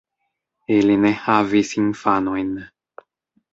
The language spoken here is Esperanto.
Ili ne havis infanojn.